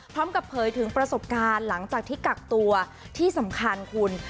เผยถึงประสบการณ์หลังจากที่กักตัวที่สำคัญคุณ